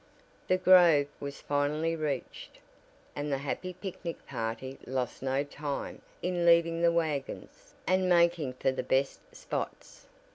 The grove was finally reached, and the happy picnic party lost no time in leaving the wagons, and making for the "best spots."